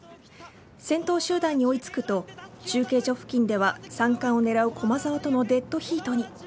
先頭集団に追い付くと中継所付近では３冠を狙う駒澤とのデッドヒートに。